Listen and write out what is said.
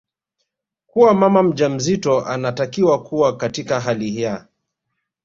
kuwa mama mjamzito anatakiwa kuwa katika hali ya